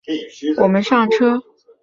我们上车